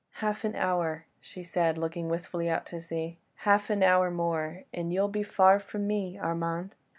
"Half an hour," she said, looking wistfully out to sea, "half an hour more and you'll be far from me, Armand!